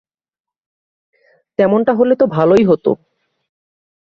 তেমনটা হলে তো ভালোই হতো।